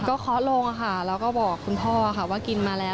ก็เคาะลงค่ะแล้วก็บอกคุณพ่อค่ะว่ากินมาแล้ว